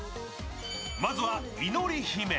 まずはいのり姫。